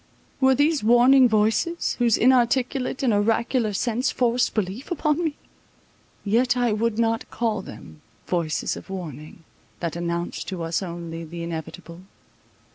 Were these warning voices, whose inarticulate and oracular sense forced belief upon me? Yet I would not call them Voices of warning, that announce to us Only the inevitable.